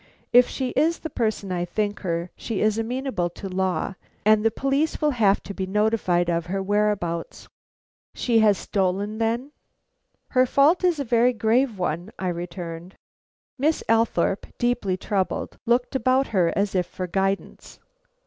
"If she is the person I think her, she is amenable to law, and the police will have to be notified of her whereabouts." "She has stolen, then?" "Her fault is a very grave one," I returned. Miss Althorpe, deeply troubled, looked about her as if for guidance.